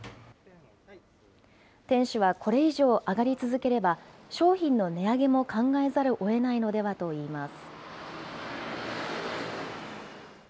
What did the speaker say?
店主はこれ以上、上がり続ければ、商品の値上げも考えざるをえないのではといいます。